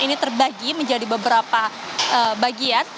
ini terbagi menjadi beberapa bagian